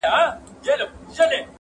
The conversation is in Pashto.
ګلکده وجود دي تاته مبارک وي,